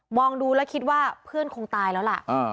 ดูแล้วคิดว่าเพื่อนคงตายแล้วล่ะ